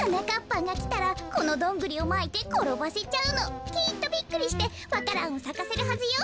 ぱんがきたらこのドングリをまいてころばせちゃうの。きっとびっくりしてわか蘭をさかせるはずよ。